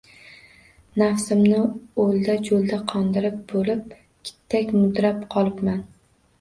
Nafsimni o‘lda-jo‘lda qondirib bo‘lib, qittak mudrab qolibman